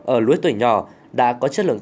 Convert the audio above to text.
ở lưới tuổi nhỏ đã có chất lượng